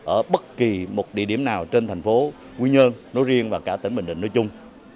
ở bất kỳ một địa điểm nào trên thành phố quy nhơn nói riêng và cả tỉnh bình định nói chung